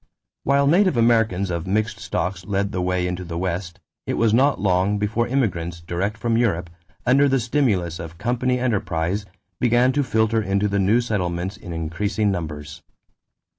While native Americans of mixed stocks led the way into the West, it was not long before immigrants direct from Europe, under the stimulus of company enterprise, began to filter into the new settlements in increasing numbers.